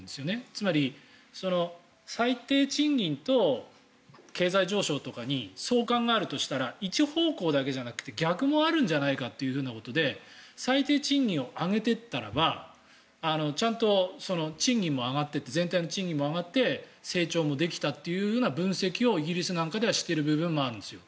つまり最低賃金と経済上昇とかに相関があるとしたら一方向だけじゃなくて逆もあるんじゃないかということで最低賃金を上げていったらばちゃんと賃金も上がっていって全体の賃金も上がって成長もできたという分析をイギリスなんかではしている部分もあるんですよ。